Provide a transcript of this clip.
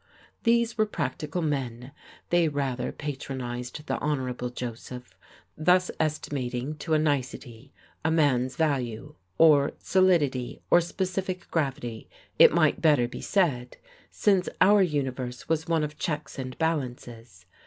These were practical men; they rather patronized the Hon. Joseph, thus estimating, to a nicety, a mans value; or solidity, or specific gravity, it might better be said, since our universe was one of checks and balances.